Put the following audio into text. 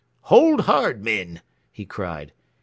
"Hold hard, men!" he cried.